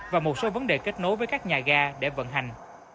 và một số vấn đề kết nối với các nhà ga để vận hành